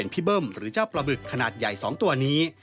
เบิ้มหรือเจ้าปลาบึกขนาดใหญ่๒ตัวนี้